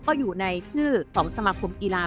ก็อยู่ในชื่อของสมาคมกีฬา